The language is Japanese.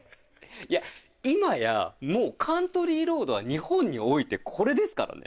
いや、今や、もうカントリー・ロードは日本において、これですからね。